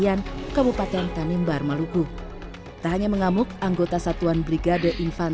pangdam enam belas patimura majen tni richard t hatta pobolon menyatakan